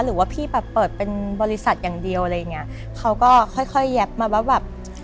หรือว่าพี่แบบเปิดเป็นบริษัทอย่างเดียวอะไรอย่างเงี้ยเขาก็ค่อยค่อยแยบมาว่าแบบ